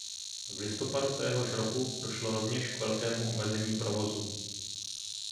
V listopadu téhož roku došlo rovněž k velkému omezení provozu.